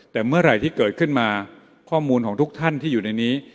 แต่เมื่อไหร่ที่เกิดขึ้นมาข้อมูลของทุกท่านที่อยู่ในนี้